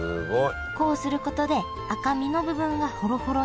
こうすることで赤身の部分はほろほろに。